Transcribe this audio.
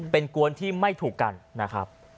เป็นกวนที่ไม่ถูกกันนะครับ